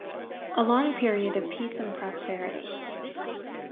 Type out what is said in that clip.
A LONG PERIOD OF PEACE AND PROSPERITY.